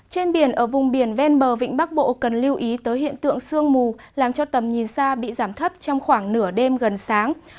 trên biển ở vùng biển ven bờ vịnh bắc bộ cần lưu ý tới hiện tượng sương mù làm cho tầm nhìn xa bị giảm thấp trong khoảng nửa đêm gần sáng